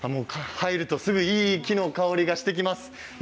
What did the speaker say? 入るとすぐ、いい木の香りがしてきます。